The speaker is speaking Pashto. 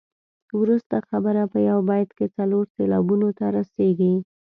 وروسته خبره په یو بیت کې څلور سېلابونو ته رسيږي.